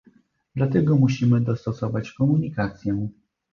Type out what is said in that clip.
Dlatego musimy dostosować komunikację